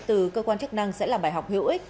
từ cơ quan chức năng sẽ là bài học hữu ích